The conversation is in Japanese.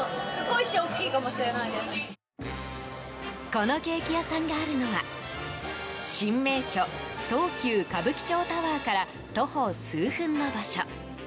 このケーキ屋さんがあるのは新名所・東急歌舞伎町タワーから徒歩数分の場所。